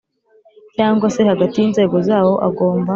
Cyangwa Se Hagati Y Inzego Zawo Agomba